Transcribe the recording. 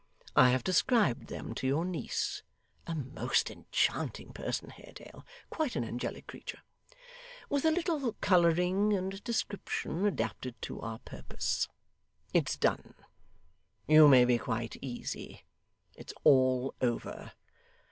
I have described them to your niece (a most enchanting person, Haredale; quite an angelic creature), with a little colouring and description adapted to our purpose. It's done. You may be quite easy. It's all over.